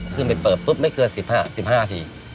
ขึ้นไปเปิดปุ๊บไม่เกินสิบห้าสิบห้าที